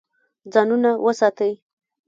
ځانونه وساتئ.